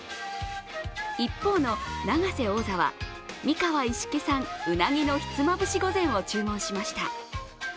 一方の永瀬王座は三河一色産うなぎのひつまぶし御膳を注文しました。